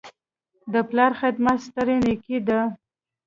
د پلار خدمت ستره نیکي ده.